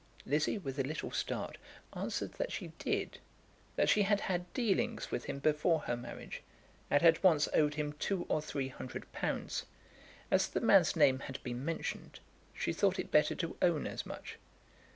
Lizzie, with a little start, answered that she did, that she had had dealings with him before her marriage, and had once owed him two or three hundred pounds. As the man's name had been mentioned, she thought it better to own as much.